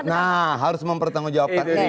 nah harus mempertanggung jawab